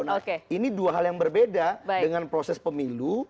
nah ini dua hal yang berbeda dengan proses pemilu